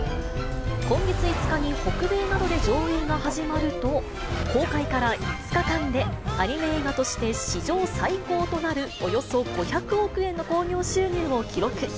今月５日に北米などで上映が始まると、公開から５日間でアニメ映画として、史上最高となるおよそ５００億円の興行収入を記録。